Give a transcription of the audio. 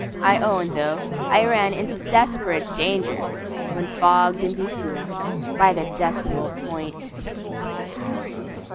I own, though, I ran into desperate danger When fogged and be fooled by the Decimal Point!